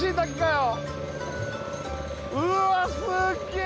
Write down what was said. うわすっげえ！